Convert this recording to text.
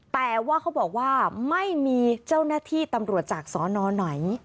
แต่ว่าเขาบอกว่าไม่มีเจ้าหน้าที่ตำรวจจากสนไหน